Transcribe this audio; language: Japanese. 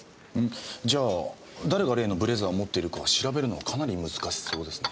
じゃあ誰が例のブレザーを持っているか調べるのはかなり難しそうですね。